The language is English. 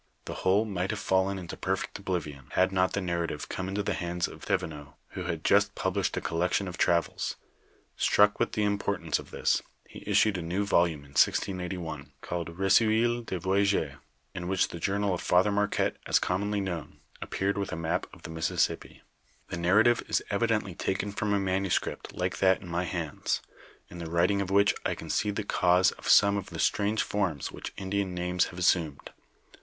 The whole might have fallen into perfect oblivion, had not the narrative come into the hands of Thevenot who had just published a collection of travels ; struck with the im portance of this, he issued a new volume in 1681, called Re ceuil de Voyages, in which the journal of Father Marquette as commonly known, appeared with a map of the Mississippi. The narrative is evidently taken from a manuscript like that in my hands, in the writing of which I can see the cause of some of the strange forms which Indian names have assumed.